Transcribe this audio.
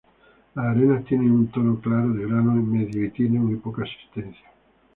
Las arenas tienen un tono claro de grano medio y tiene muy poca asistencia.